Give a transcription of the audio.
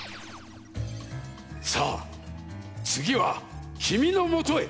さあつぎはきみのもとへ！